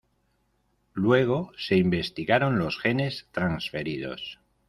Luego se investigaron los genes transferidos.